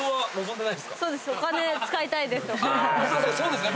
そうですね。